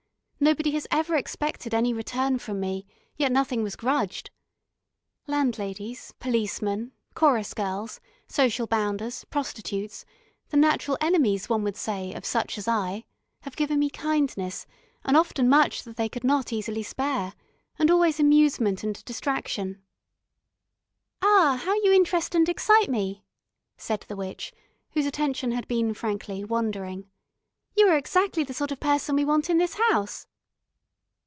Nobody has ever expected any return from me, yet nothing was grudged. Landladies, policemen, chorus girls, social bounders, prostitutes, the natural enemies, one would say, of such as I, have given me kindness, and often much that they could not easily spare, and always amusement and distraction...." "Ah, how you interest and excite me," said the witch, whose attention had been frankly wandering. "You are exactly the sort of person we want in this house."